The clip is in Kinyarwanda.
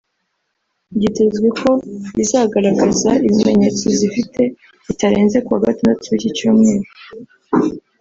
byitezwe ko bizagaragaza ibimenyetso zifite bitarenze kuwa Gatandatu w’iki cyumweru